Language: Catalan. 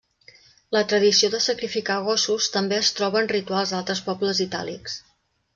La tradició de sacrificar gossos també es troba en rituals d'altres pobles itàlics.